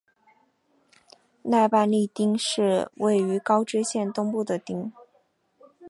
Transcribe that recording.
奈半利町是位于高知县东部的町。